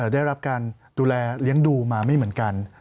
ได้รับการดูแลเลี้ยงดูมาไม่เหมือนกัน